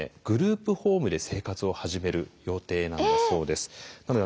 グループホームで生活を始める予定なんだそうです。